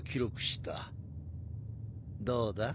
どうだ？